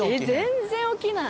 全然起きない。